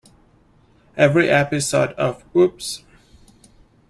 Every episode of Woops!